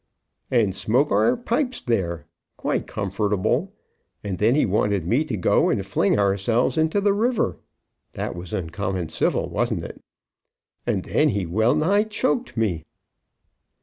"And smoke our pipes there, quite comfortable. And then he wanted me to go and fling ourselves into the river. That was uncommon civil, wasn't it? And then he well nigh choked me."